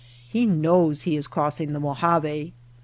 He knows he is crossing the Mojave.